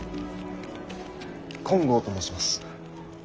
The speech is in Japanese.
金剛と申します。